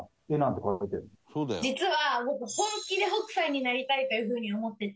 実は僕本気で北斎になりたいという風に思ってて。